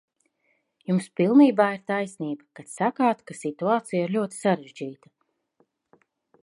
Jums pilnībā ir taisnība, kad sakāt, ka situācija ir ļoti sarežģīta.